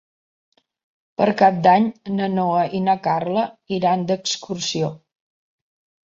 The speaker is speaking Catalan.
Per Cap d'Any na Noa i na Carla iran d'excursió.